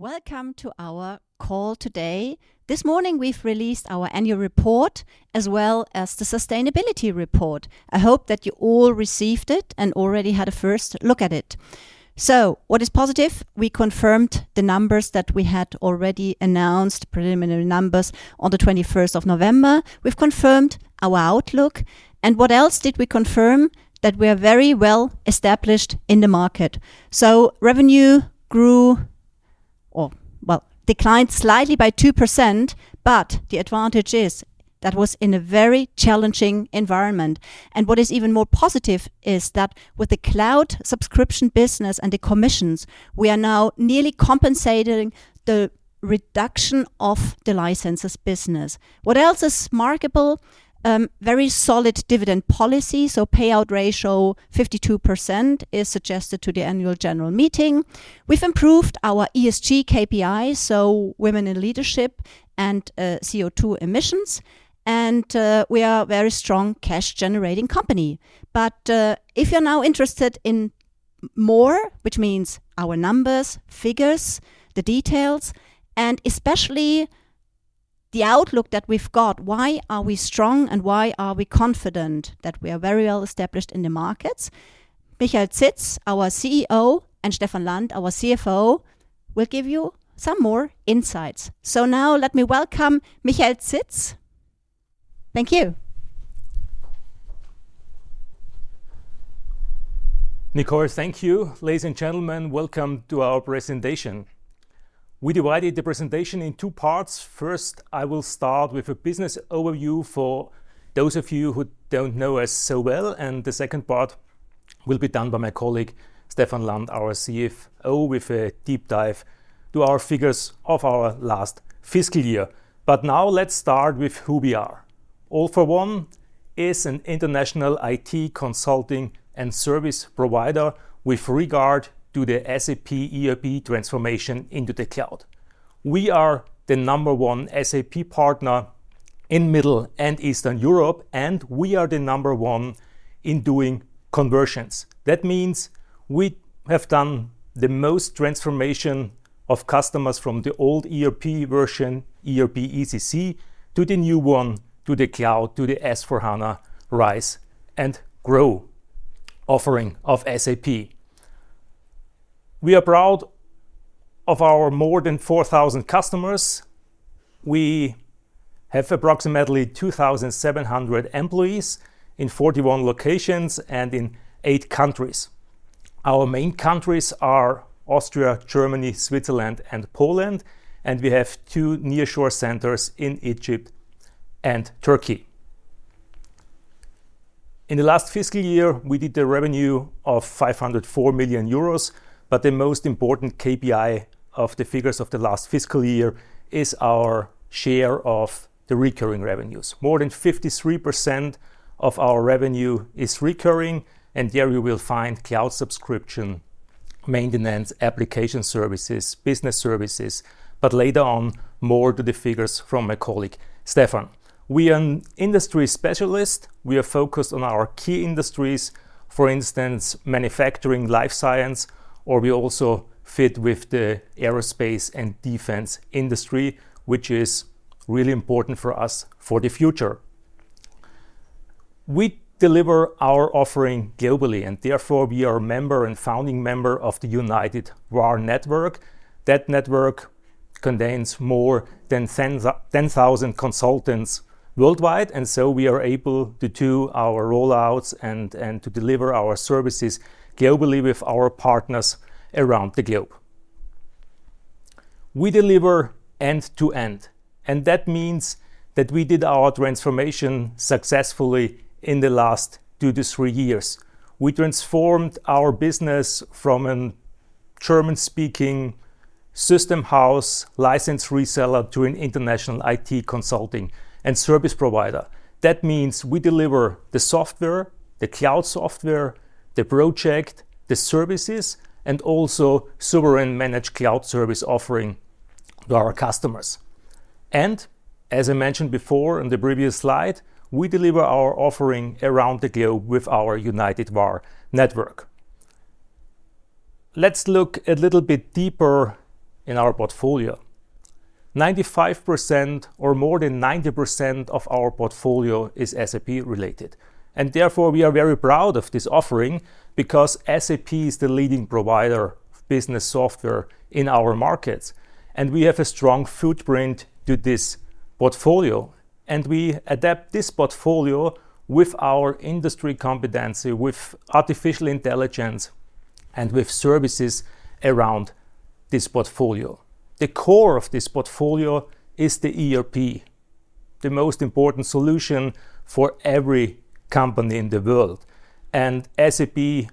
Welcome to our call today. This morning, we've released our annual report as well as the sustainability report. I hope that you all received it and already had a first look at it. What is positive? We confirmed the numbers that we had already announced, preliminary numbers on the 21st of November. We've confirmed our outlook. What else did we confirm? That we're very well established in the market. Revenue grew or, well, declined slightly by 2%, but the advantage is that was in a very challenging environment. What is even more positive is that with the cloud subscription business and the commissions, we are now nearly compensating the reduction of the licenses business. What else is marketable? Very solid dividend policy. Payout ratio 52% is suggested to the annual general meeting. We've improved our ESG KPI, women in leadership and CO2 emissions, and we are a very strong cash-generating company. If you're now interested in more, which means our numbers, figures, the details, and especially the outlook that we've got, why are we strong and why are we confident that we are very well established in the markets? Michael Zitz, our CEO, and Stefan Land, our CFO, will give you some more insights. Now let me welcome Michael Zitz. Thank you. Nicole, thank you. Ladies and gentlemen, welcome to our presentation. We divided the presentation in two parts. First, I will start with a business overview for those of you who don't know us so well, and the second part will be done by my colleague, Stefan Land, our CFO, with a deep dive to our figures of our last fiscal year. Now let's start with who we are. All for One is an international IT consulting and service provider with regard to the SAP ERP transformation into the cloud. We are the number one SAP partner in Middle and Eastern Europe, and we are the number one in doing conversions. That means we have done the most transformation of customers from the old ERP version, ERP ECC, to the new one, to the cloud, to the S/4HANA Rise and Grow offering of SAP. We are proud of our more than 4,000 customers. We have approximately 2,700 employees in 41 locations and in 8 countries. Our main countries are Austria, Germany, Switzerland and Poland, and we have two nearshore centers in Egypt and Turkey. In the last fiscal year, we did the revenue of 504 million euros, the most important KPI of the figures of the last fiscal year is our share of the recurring revenues. More than 53% of our revenue is recurring, and there you will find cloud subscription, maintenance, application services, business services. Later on, more to the figures from my colleague, Stefan. We are an industry specialist. We are focused on our key industries, for instance, manufacturing, life science, or we also fit with the aerospace and defense industry, which is really important for us for the future. We deliver our offering globally. Therefore, we are a member and founding member of the United VAR network. That network contains more than 10,000 consultants worldwide. So we are able to do our rollouts and to deliver our services globally with our partners around the globe. We deliver end-to-end, and that means that we did our transformation successfully in the last two to three years. We transformed our business from a German-speaking system house license reseller to an international IT consulting and service provider. That means we deliver the software, the cloud software, the project, the services, and also sovereign managed cloud service offering to our customers. As I mentioned before in the previous slide, we deliver our offering around the globe with our United VAR network. Let's look a little bit deeper in our portfolio. 95% or more than 90% of our portfolio is SAP-related. Therefore, we are very proud of this offering because SAP is the leading provider of business software in our markets. We have a strong footprint to this portfolio, and we adapt this portfolio with our industry competency, with artificial intelligence, and with services around this portfolio. The core of this portfolio is the ERP, the most important solution for every company in the world. SAP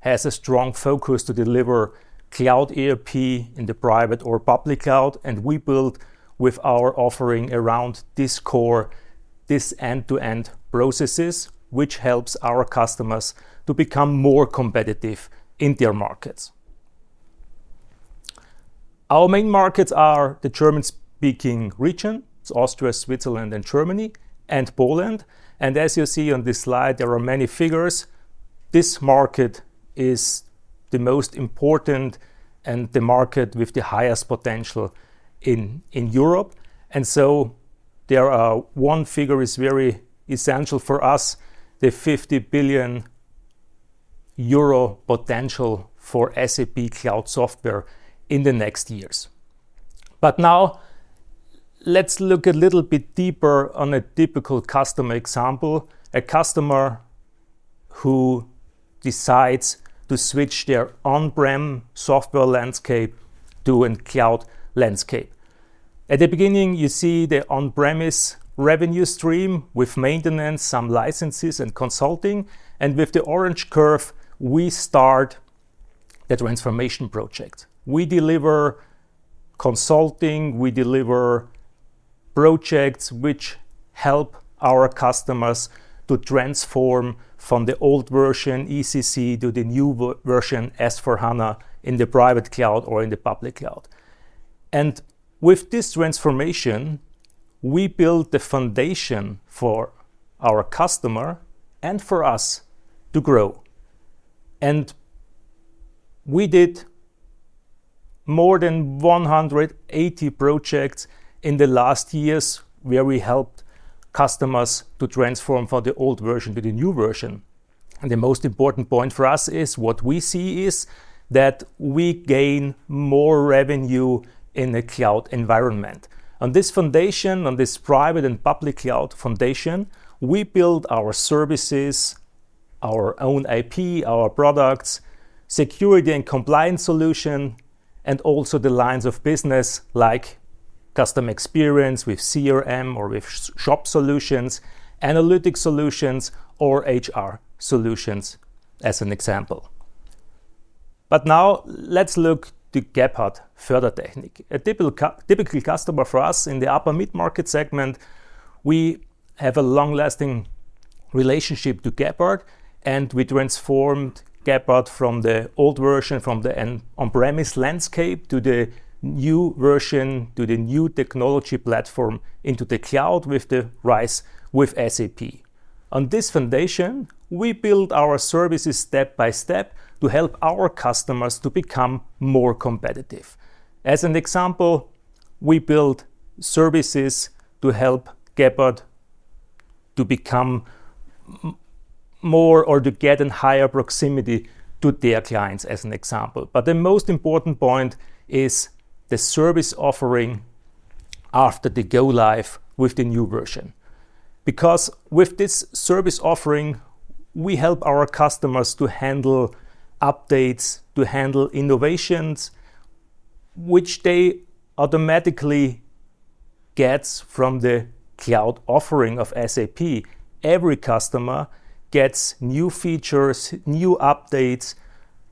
has a strong focus to deliver cloud ERP in the private or public cloud. We build with our offering around this core, this end-to-end processes, which helps our customers to become more competitive in their markets. Our main markets are the German-speaking region, Austria, Switzerland and Germany, and Poland. As you see on this slide, there are many figures. This market is the most important and the market with the highest potential in Europe. So one figure is very essential for us, the 50 billion euro potential for SAP Cloud software in the next years. Now let's look a little bit deeper on a typical customer example, a customer who decides to switch their on-prem software landscape to a cloud landscape. At the beginning, you see the on-premise revenue stream with maintenance, some licenses, and consulting. With the orange curve, we start the transformation project. We deliver consulting, we deliver projects which help our customers to transform from the old version ECC to the new version S/4HANA in the private cloud or in the public cloud. With this transformation, we build the foundation for our customer and for us to grow. We did more than 180 projects in the last years where we helped customers to transform from the old version to the new version. The most important point for us is what we see is that we gain more revenue in the cloud environment. On this foundation, on this private and public cloud foundation, we build our services, our own IP, our products, security and compliance solution, and also the lines of business like customer experience with CRM or with shop solutions, analytic solutions, or HR solutions, as an example. Now let's look to Gebhardt Fördertechnik, a typical customer for us in the upper mid-market segment. We have a long-lasting relationship to Gebhardt, and we transformed Gebhardt from the old version, from the on-premise landscape, to the new version, to the new technology platform into the cloud with the RISE with SAP. On this foundation, we build our services step by step to help our customers to become more competitive. As an example, we build services to help Gebhardt to get in higher proximity to their clients, as an example. The most important point is the service offering after they go live with the new version. With this service offering, we help our customers to handle updates, to handle innovations, which they automatically get from the cloud offering of SAP. Every customer gets new features, new updates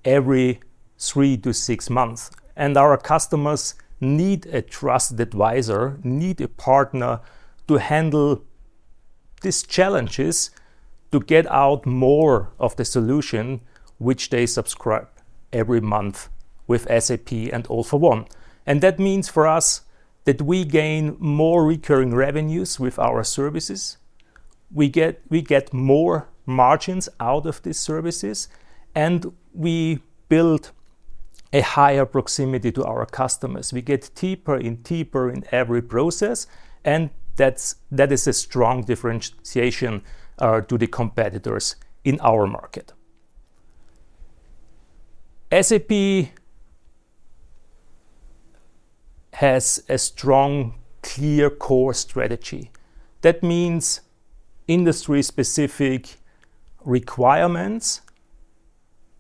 every three to six months. Our customers need a trusted advisor, need a partner to handle these challenges to get out more of the solution which they subscribe every month with SAP and All for One. That means for us that we gain more recurring revenues with our services. We get more margins out of these services, and we build a higher proximity to our customers. We get deeper and deeper in every process, and that is a strong differentiation to the competitors in our market. SAP has a strong, clear core strategy. Industry-specific requirements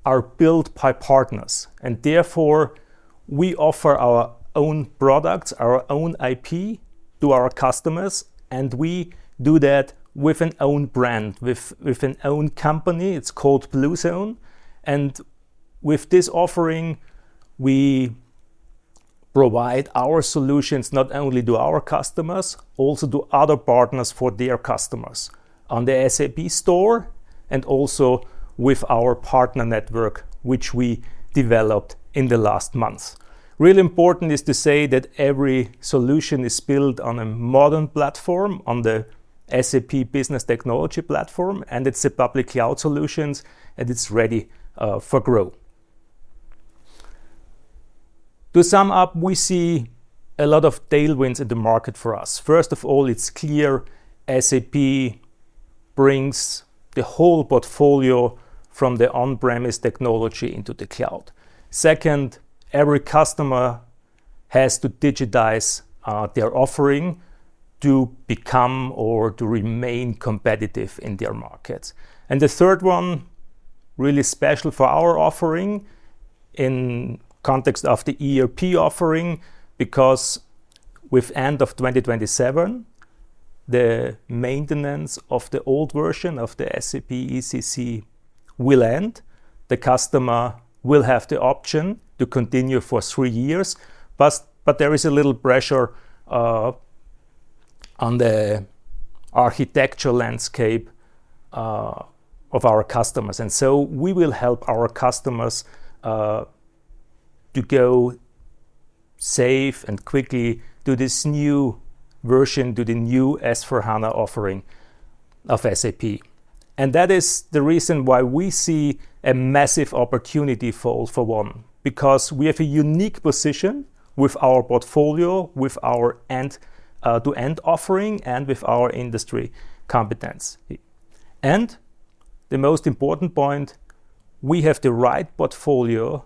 are built by partners, and therefore we offer our own products, our own IP to our customers, and we do that with an own brand, with an own company. It is called blue-zone. With this offering, we provide our solutions not only to our customers, also to other partners for their customers on the SAP Store and also with our partner network, which we developed in the last months. Really important is to say that every solution is built on a modern platform, on the SAP Business Technology Platform, and it is a public cloud solution, and it is ready for growth. To sum up, we see a lot of tailwinds in the market for us. First of all, it is clear SAP brings the whole portfolio from the on-premise technology into the cloud. Second, every customer has to digitize their offering to become or to remain competitive in their markets. The third one, really special for our offering in context of the ERP offering, with end of 2027, the maintenance of the old version of the SAP ECC will end. The customer will have the option to continue for three years, there is a little pressure on the architectural landscape of our customers. So we will help our customers to go safe and quickly to this new version, to the new S/4HANA offering of SAP. That is the reason why we see a massive opportunity for All for One, we have a unique position with our portfolio, with our end-to-end offering, and with our industry competency. The most important point, we have the right portfolio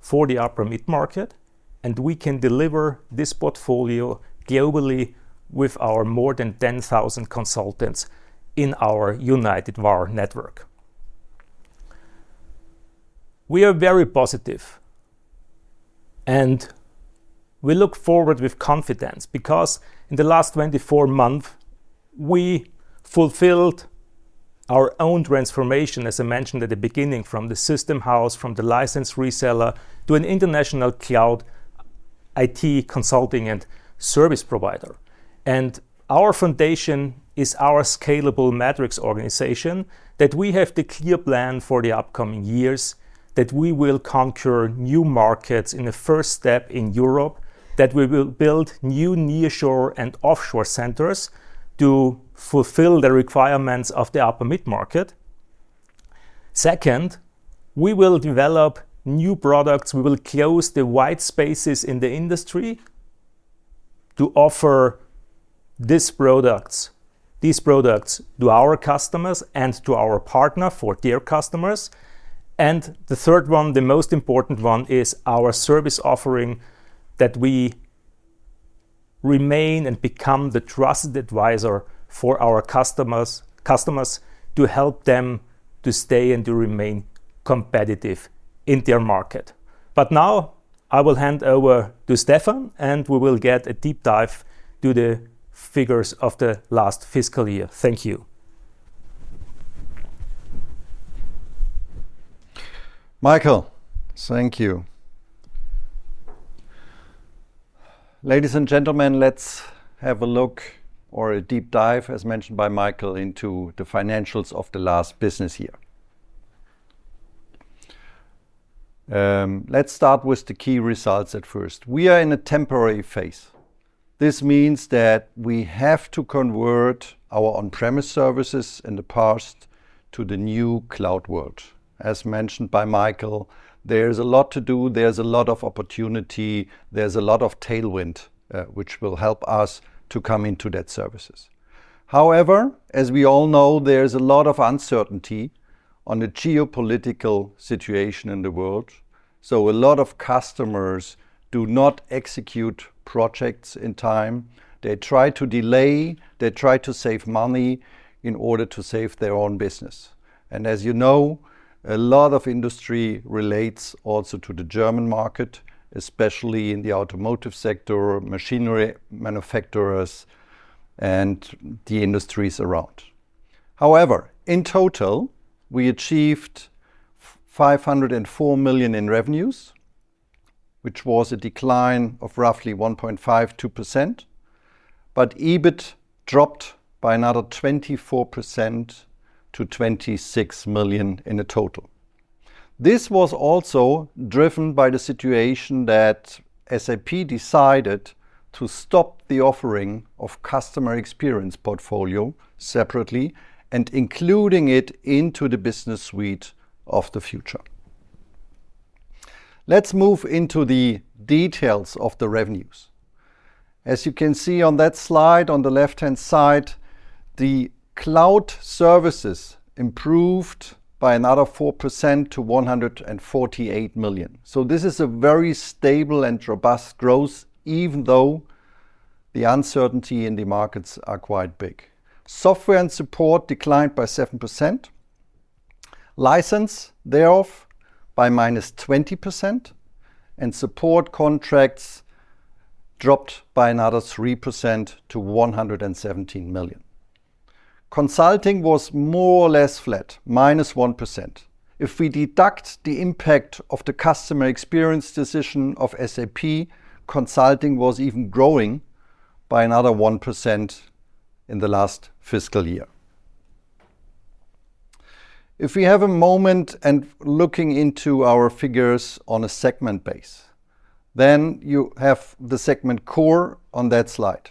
for the upper mid market, and we can deliver this portfolio globally with our more than 10,000 consultants in our United VAR network. We are very positive, and we look forward with confidence, in the last 24 months, we fulfilled our own transformation, as I mentioned at the beginning, from the system house, from the license reseller, to an international cloud IT consulting and service provider. Our foundation is our scalable metrics organization, that we have the clear plan for the upcoming years, that we will conquer new markets in the first step in Europe, that we will build new nearshore and offshore centers to fulfill the requirements of the upper mid-market. Second, we will develop new products. We will close the white spaces in the industry to offer these products to our customers and to our partner for their customers. The third one, the most important one, is our service offering, that we remain and become the trusted advisor for our customers to help them to stay and to remain competitive in their market. Now I will hand over to Stefan and we will get a deep dive to the figures of the last fiscal year. Thank you. Michael, thank you. Ladies and gentlemen, let's have a look or a deep dive, as mentioned by Michael, into the financials of the last business year. Let's start with the key results at first. We are in a temporary phase. This means that we have to convert our on-premise services in the past to the new cloud world. As mentioned by Michael, there's a lot to do, there's a lot of opportunity, there's a lot of tailwind, which will help us to come into that services. However, as we all know, there's a lot of uncertainty on the geopolitical situation in the world. A lot of customers do not execute projects in time. They try to delay, they try to save money in order to save their own business. As you know, a lot of industry relates also to the German market, especially in the automotive sector, machinery manufacturers, and the industries around. However, in total, we achieved 504 million in revenues, which was a decline of roughly 1.52%. EBIT dropped by another 24% to 26 million in a total. This was also driven by the situation that SAP decided to stop the offering of customer experience portfolio separately and including it into the business suite of the future. Let's move into the details of the revenues. As you can see on that slide, on the left-hand side, the cloud services improved by another 4% to 148 million. This is a very stable and robust growth, even though the uncertainty in the markets are quite big. Software and support declined by 7%, license thereof by -20%, and support contracts dropped by another 3% to 117 million. Consulting was more or less flat, -1%. If we deduct the impact of the customer experience decision of SAP, consulting was even growing by another 1% in the last fiscal year. If we have a moment and looking into our figures on a segment base, you have the segment core on that slide.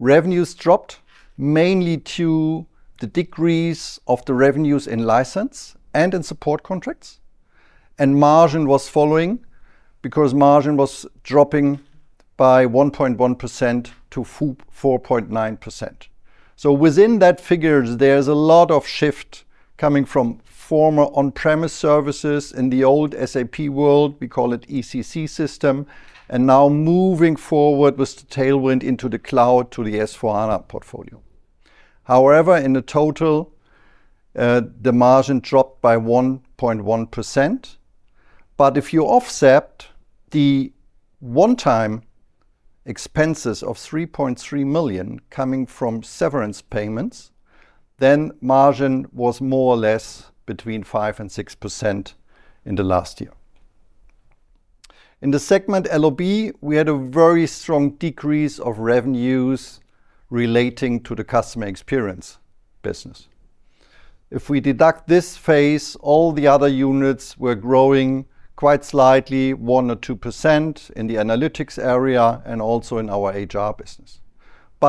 Revenues dropped mainly to the decrease of the revenues in license and in support contracts, and margin was following because margin was dropping by 1.1% to 4.9%. Within that figure, there's a lot of shift coming from former on-premise services in the old SAP world, we call it ECC system, and now moving forward with the tailwind into the cloud to the S/4HANA portfolio. In the total, the margin dropped by 1.1%. If you offset the one-time expenses of 3.3 million coming from severance payments, then margin was more or less between 5% and 6% in the last year. In the segment LOB, we had a very strong decrease of revenues relating to the customer experience business. If we deduct this phase, all the other units were growing quite slightly, 1% or 2% in the analytics area and also in our HR business.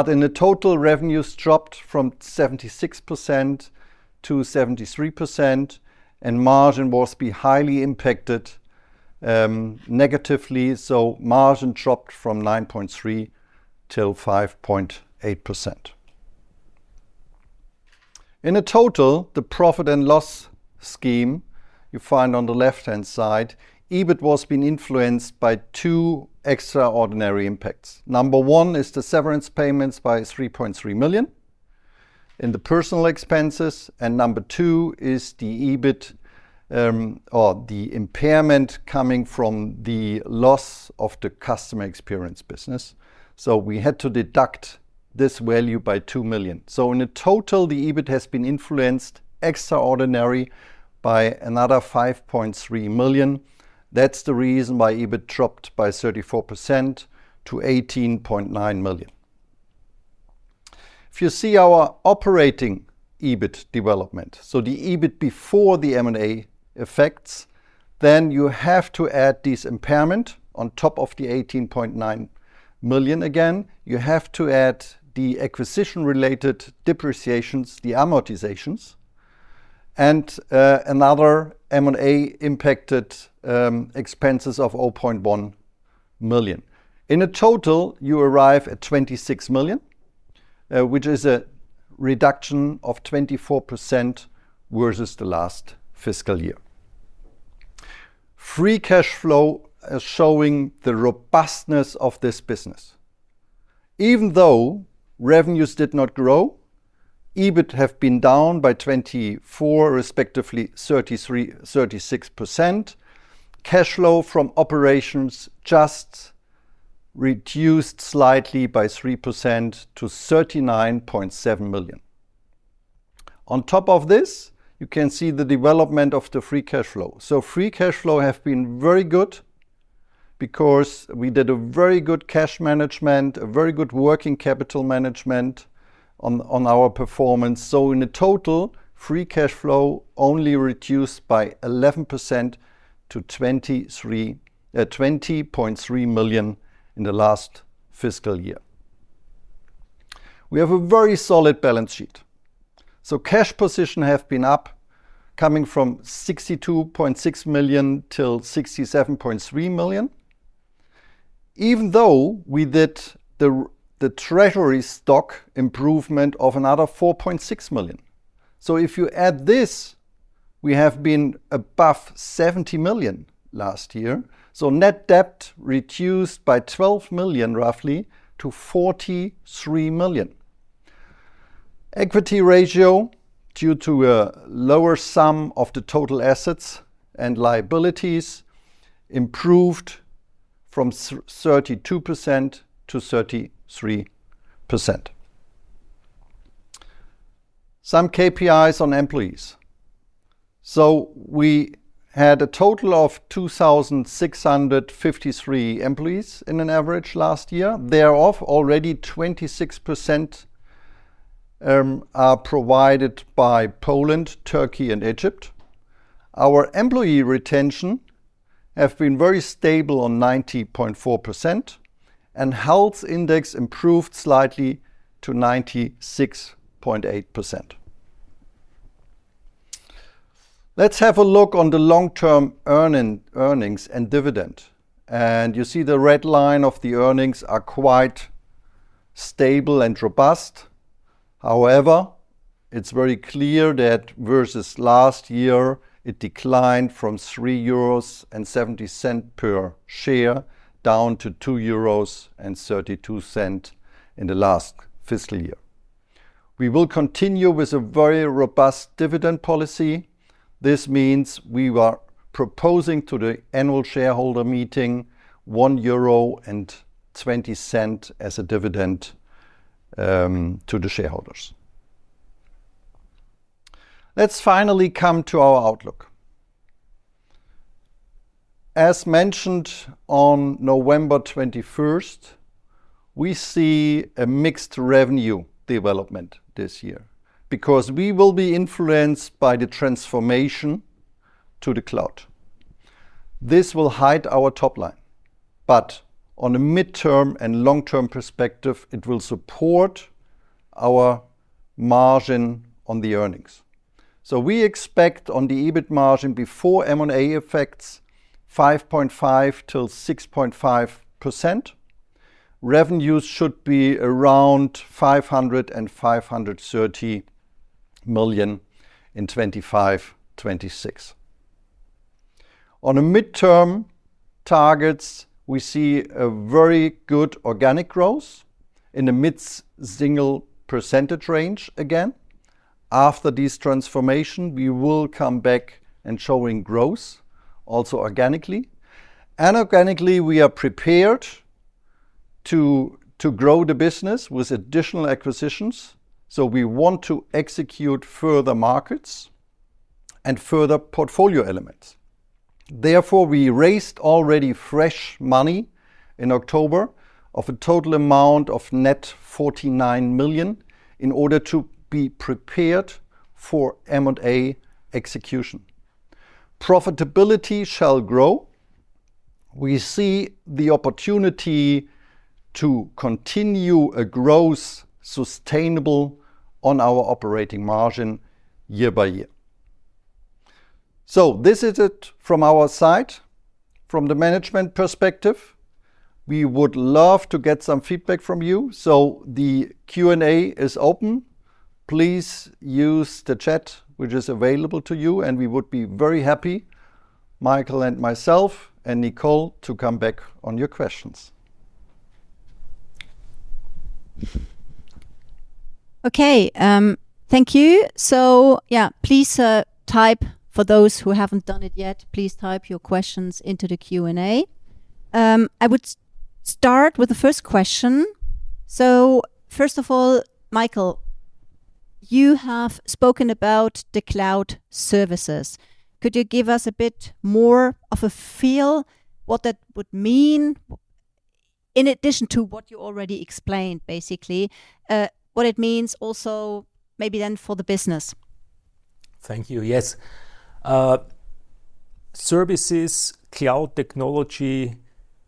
In the total, revenues dropped from 76%-73%, and margin was highly impacted negatively, so margin dropped from 9.3% till 5.8%. In a total, the profit and loss scheme you find on the left-hand side, EBIT was influenced by two extraordinary impacts. Number one is the severance payments by 3.3 million in the personal expenses, number two is the EBIT, or the impairment coming from the loss of the customer experience business. We had to deduct this value by 2 million. In total, the EBIT has been influenced extraordinary by another 5.3 million. That's the reason why EBIT dropped by 34% to 18.9 million. If you see our operating EBIT development, the EBIT before the M&A effects, you have to add this impairment on top of the 18.9 million again. You have to add the acquisition-related depreciations, the amortizations, and another M&A-impacted expenses of 0.1 million. In a total, you arrive at 26 million, which is a reduction of 24% versus the last fiscal year. Free cash flow is showing the robustness of this business. Even though revenues did not grow, EBIT have been down by 24%, respectively 36%, cash flow from operations just reduced slightly by 3% to 39.7 million. On top of this, you can see the development of the free cash flow. Free cash flow have been very good because we did a very good cash management, a very good working capital management on our performance. In a total, free cash flow only reduced by 11% to 20.3 million in the last fiscal year. We have a very solid balance sheet. Cash position have been up, coming from 62.6 million till 67.3 million, even though we did the treasury stock improvement of another 4.6 million. If you add this, we have been above 70 million last year, net debt reduced by 12 million, roughly, to 43 million. Equity ratio, due to a lower sum of the total assets and liabilities, improved from 32%-33%. Some KPIs on employees. We had a total of 2,653 employees in an average last year. Thereof, already 26% are provided by Poland, Turkey, and Egypt. Our employee retention have been very stable on 90.4%, and health index improved slightly to 96.8%. Let's have a look on the long-term earnings and dividend. You see the red line of the earnings are quite stable and robust. It's very clear that versus last year, it declined from €3.70 per share down to €2.32 in the last fiscal year. We will continue with a very robust dividend policy. This means we are proposing to the annual shareholder meeting €1.20 as a dividend to the shareholders. Let's finally come to our outlook. As mentioned on November 21st, we see a mixed revenue development this year because we will be influenced by the transformation to the cloud. This will hide our top line, but on a midterm and long-term perspective, it will support our margin on the earnings. We expect on the EBIT margin before M&A effects, 5.5%-6.5%. Revenues should be around 500 million and 530 million in 2025, 2026. On a midterm targets, we see a very good organic growth in the mid-single percentage range again. After this transformation, we will come back and showing growth also organically. Organically, we are prepared to grow the business with additional acquisitions. We want to execute further markets and further portfolio elements. Therefore, we raised already fresh money in October of a total amount of net 49 million in order to be prepared for M&A execution. Profitability shall grow. We see the opportunity to continue a growth sustainable on our operating margin year by year. This is it from our side, from the management perspective. We would love to get some feedback from you. The Q&A is open. Please use the chat, which is available to you, and we would be very happy, Michael and myself and Nicole, to come back on your questions. Okay. Thank you. Yeah. For those who haven't done it yet, please type your questions into the Q&A. I would start with the first question. First of all, Michael, you have spoken about the cloud services. Could you give us a bit more of a feel what that would mean in addition to what you already explained, basically, what it means also maybe then for the business? Thank you. Yes. Services cloud technology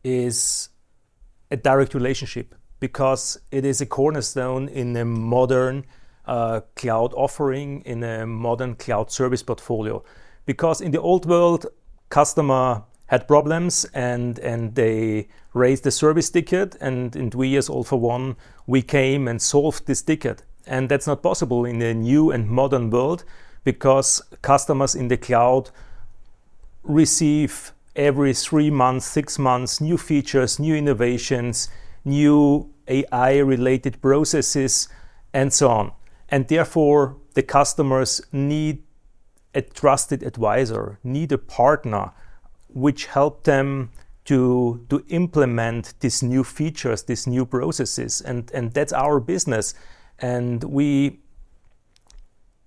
is a direct relationship because it is a cornerstone in a modern cloud offering, in a modern cloud service portfolio. Because in the old world, customer had problems, and they raised a service ticket, and we as All for One, we came and solved this ticket. That's not possible in a new and modern world because customers in the cloud receive every three months, six months, new features, new innovations, new AI-related processes, and so on. Therefore, the customers need a trusted advisor, need a partner, which help them to implement these new features, these new processes. That's our business. We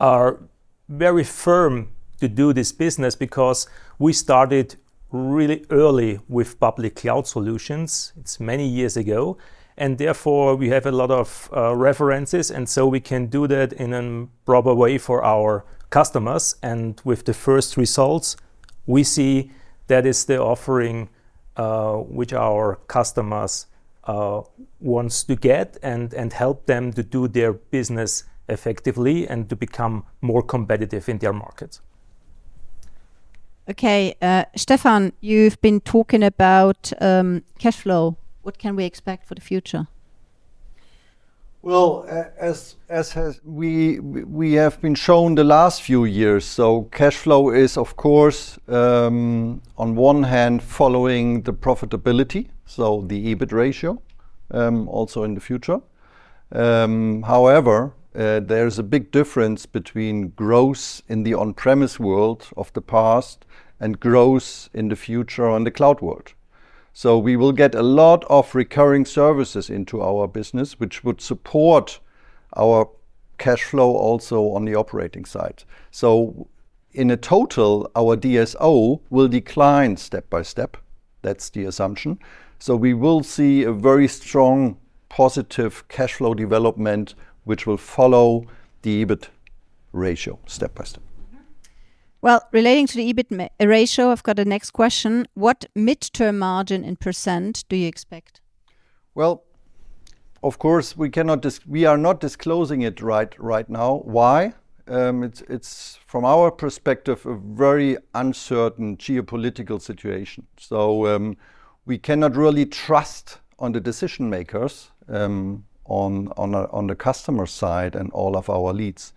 are very firm to do this business because we started really early with public cloud solutions. It's many years ago. Therefore, we have a lot of references, so we can do that in a proper way for our customers. With the first results, we see that is the offering which our customers wants to get and help them to do their business effectively and to become more competitive in their markets. Okay. Stefan, you've been talking about cash flow. What can we expect for the future? Well, as we have been shown the last few years, cash flow is, of course, on one hand, following the profitability, the EBIT ratio also in the future. However, there is a big difference between growth in the on-premise world of the past and growth in the future on the cloud world. We will get a lot of recurring services into our business, which would support our cash flow also on the operating side. In a total, our DSO will decline step by step. That's the assumption. We will see a very strong, positive cash flow development, which will follow the EBIT ratio step by step. Well, relating to the EBIT ratio, I've got a next question. What midterm margin in % do you expect? Well, of course, we are not disclosing it right now. Why? It's from our perspective, a very uncertain geopolitical situation. We cannot really trust on the decision makers on the customer side and all of our leads.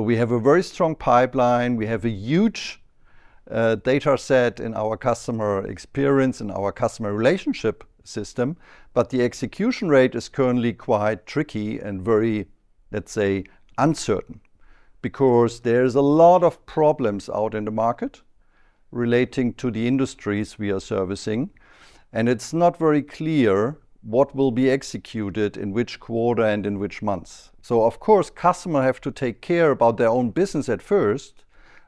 We have a very strong pipeline. We have a huge data set in our customer experience and our customer relationship system, but the execution rate is currently quite tricky and very, let's say, uncertain because there is a lot of problems out in the market relating to the industries we are servicing, and it's not very clear what will be executed in which quarter and in which months. Of course, customer have to take care about their own business at first.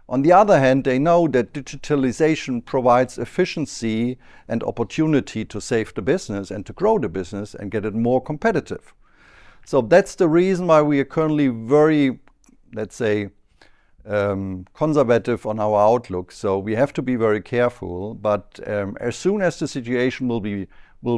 On the other hand, they know that digitalization provides efficiency and opportunity to save the business and to grow the business and get it more competitive. That's the reason why we are currently very, let's say, conservative on our outlook. We have to be very careful, but as soon as the situation will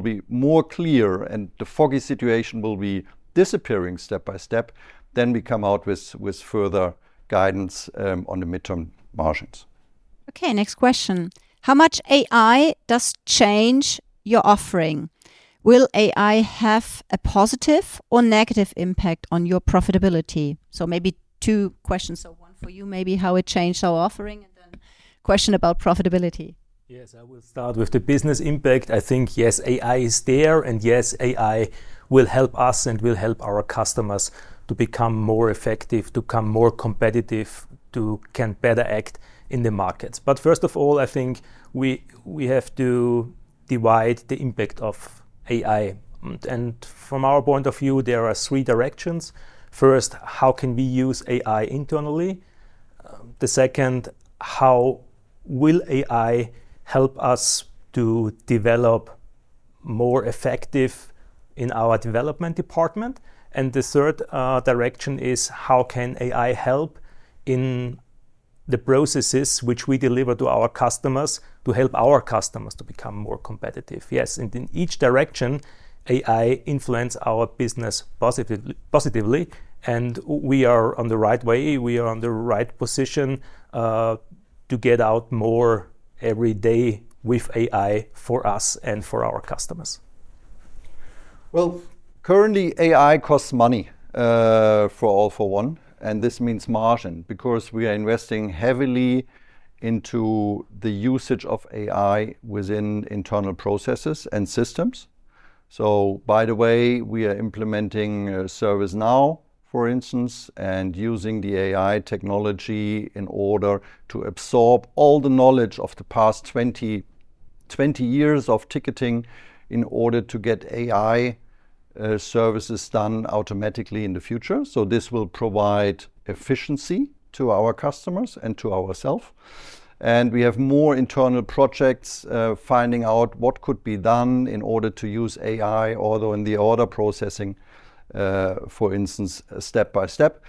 be more clear and the foggy situation will be disappearing step by step, then we come out with further guidance on the midterm margins. Okay, next question. How much AI does change your offering? Will AI have a positive or negative impact on your profitability? Maybe two questions. One for you, maybe how it changed our offering, and then question about profitability. Yes, I will start with the business impact. I think, yes, AI is there, and yes, AI will help us and will help our customers to become more effective, to become more competitive, to can better act in the markets. First of all, I think we have to divide the impact of AI. From our point of view, there are three directions. First, how can we use AI internally? The second, how will AI help us to develop more effective in our development department? The third direction is how can AI help in the processes which we deliver to our customers to help our customers to become more competitive? Yes, in each direction, AI influence our business positively, and we are on the right way. We are on the right position to get out more every day with AI for us and for our customers. Currently, AI costs money for All for One, and this means margin, because we are investing heavily into the usage of AI within internal processes and systems. By the way, we are implementing ServiceNow, for instance, and using the AI technology in order to absorb all the knowledge of the past 20 years of ticketing in order to get AI services done automatically in the future. This will provide efficiency to our customers and to ourself. We have more internal projects finding out what could be done in order to use AI, although in the order processing for instance, step by step.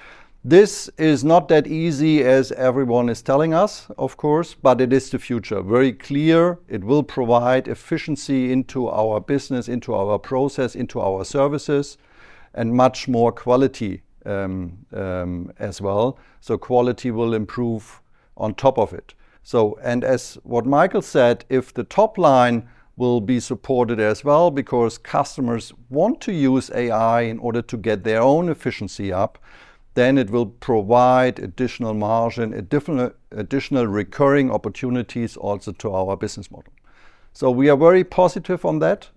This is not that easy as everyone is telling us, of course, but it is the future. Very clear it will provide efficiency into our business, into our process, into our services, and much more quality as well. Quality will improve on top of it. As what Michael said, if the top line will be supported as well because customers want to use AI in order to get their own efficiency up, then it will provide additional margin, additional recurring opportunities also to our business model. We are very positive on that.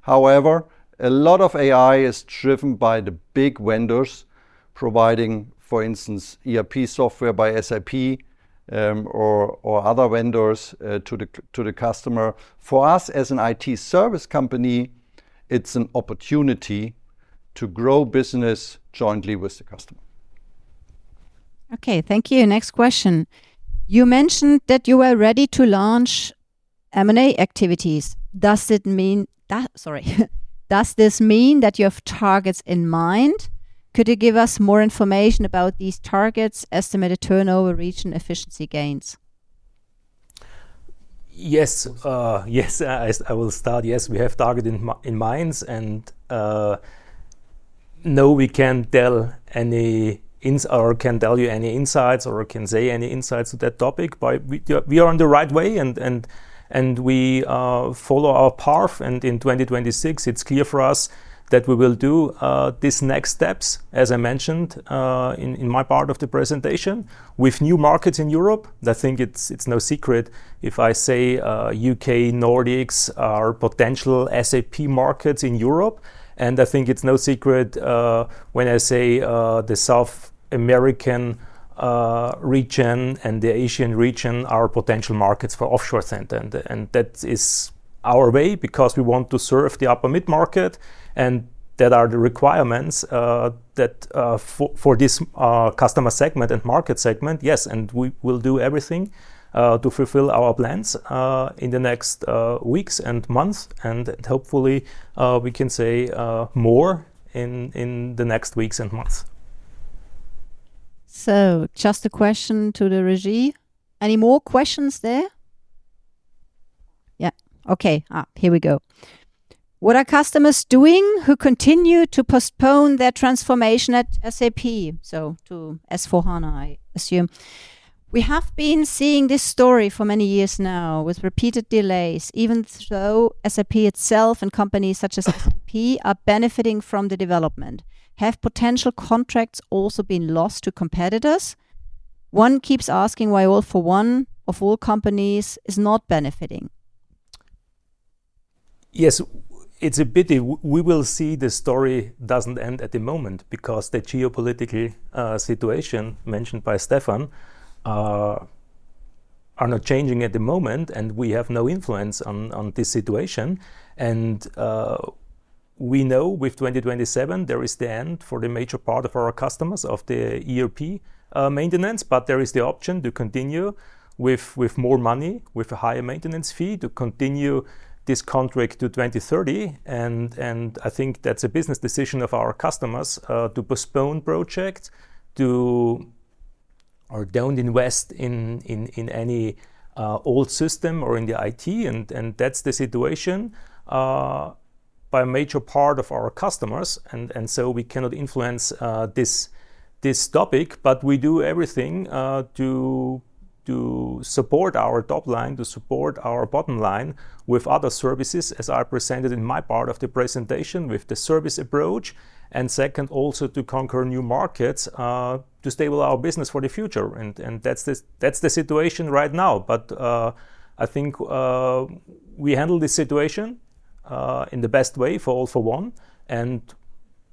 However, a lot of AI is driven by the big vendors providing, for instance, ERP software by SAP or other vendors to the customer. For us, as an IT service company, it's an opportunity to grow business jointly with the customer. Okay. Thank you. Next question. You mentioned that you were ready to launch M&A activities. Does this mean that you have targets in mind? Could you give us more information about these targets, estimated turnover region efficiency gains? Yes. I will start. Yes, we have target in minds, no, we can't tell you any insights or can say any insights to that topic. We are on the right way, we follow our path. In 2026 it's clear for us that we will do these next steps, as I mentioned in my part of the presentation, with new markets in Europe. I think it's no secret if I say U.K., Nordics are potential SAP markets in Europe. I think it's no secret when I say the South American region and the Asian region are potential markets for offshore center. That is our way because we want to serve the upper mid market, and that are the requirements for this customer segment and market segment. Yes, we will do everything to fulfill our plans in the next weeks and months. Hopefully, we can say more in the next weeks and months. Just a question to the regime. Any more questions there? Yeah. Okay. Here we go. What are customers doing who continue to postpone their transformation at SAP? To S/4HANA, I assume. We have been seeing this story for many years now with repeated delays, even though SAP itself and companies such as SAP are benefiting from the development. Have potential contracts also been lost to competitors? One keeps asking why All for One, of all companies, is not benefiting. Yes. It's a pity. We will see the story doesn't end at the moment because the geopolitical situation mentioned by Stefan are not changing at the moment, and we have no influence on this situation. We know with 2027 there is the end for the major part of our customers of the ERP ECC maintenance, but there is the option to continue with more money, with a higher maintenance fee to continue this contract to 2030. I think that's a business decision of our customers to postpone projects or don't invest in any old system or in the IT. That's the situation by a major part of our customers. So we cannot influence this topic, but we do everything to support our top line, to support our bottom line with other services, as I presented in my part of the presentation with the service approach. Second, also to conquer new markets to stable our business for the future. That's the situation right now. I think we handle this situation in the best way for All for One.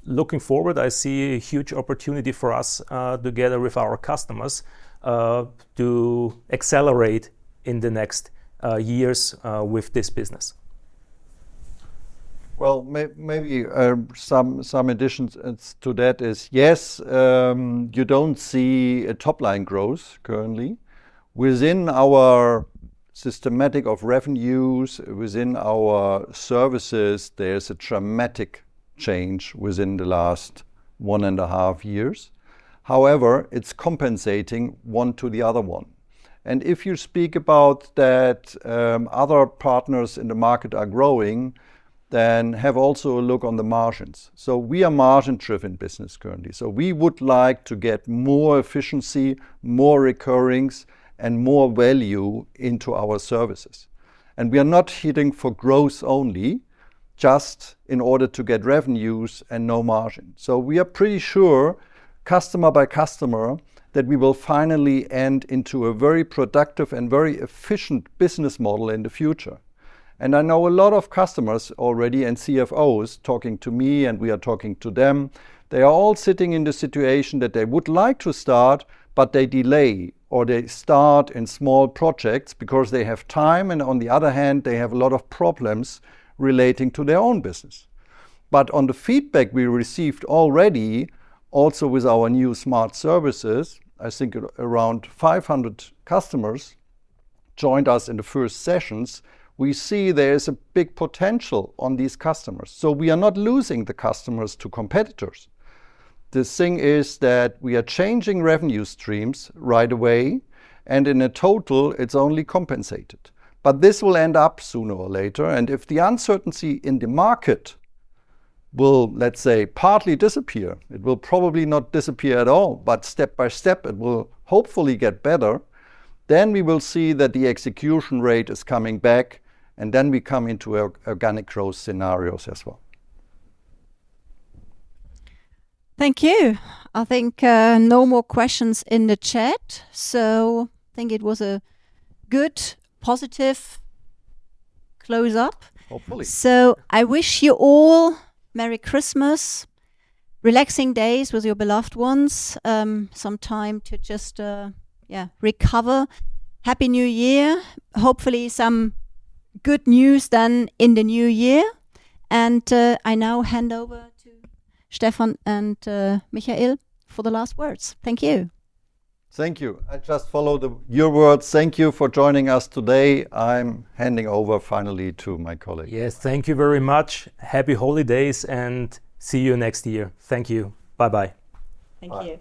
Looking forward, I see a huge opportunity for us together with our customers to accelerate in the next years with this business. Well, maybe some additions to that is, yes, you don't see a top-line growth currently. Within our systematic of revenues, within our services, there's a dramatic change within the last one and a half years. However, it's compensating one to the other one. If you speak about that other partners in the market are growing, have also a look on the margins. We are margin-driven business currently. We would like to get more efficiency, more recurrings, and more value into our services. We are not hitting for growth only just in order to get revenues and no margin. We are pretty sure customer by customer that we will finally end into a very productive and very efficient business model in the future. I know a lot of customers already and CFOs talking to me, and we are talking to them. They are all sitting in the situation that they would like to start, they delay or they start in small projects because they have time and on the other hand, they have a lot of problems relating to their own business. On the feedback we received already, also with our new smart services, I think around 500 customers joined us in the first sessions. We see there's a big potential on these customers. We are not losing the customers to competitors. The thing is that we are changing revenue streams right away, and in a total it's only compensated. This will end up sooner or later, and if the uncertainty in the market will, let's say, partly disappear, it will probably not disappear at all. Step by step it will hopefully get better. We will see that the execution rate is coming back, we come into organic growth scenarios as well. Thank you. I think no more questions in the chat, I think it was a good positive close-up. Hopefully. I wish you all Merry Christmas, relaxing days with your beloved ones, some time to just recover. Happy New Year. Hopefully some good news then in the new year. I now hand over to Stefan and Michael for the last words. Thank you. Thank you. I just follow your words. Thank you for joining us today. I'm handing over finally to my colleague. Yes, thank you very much. Happy holidays, and see you next year. Thank you. Bye-bye. Thank you.